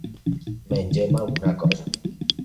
Mengem alguna cosa.